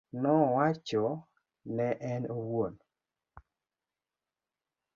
Nowacho ne en owuon.